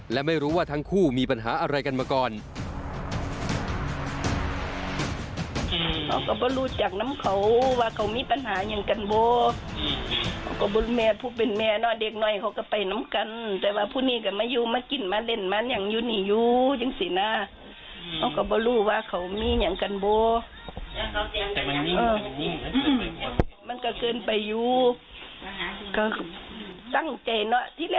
และไม่รู้ว่าทั้งคู่มีปัญหาอะไรกันมาก่อน